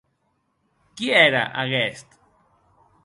Qui ère aguest?